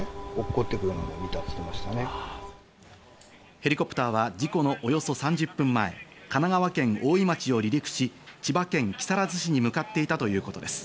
ヘリコプターは事故のおよそ３０分前、神奈川県大井町を離陸し、千葉県木更津市に向かっていたということです。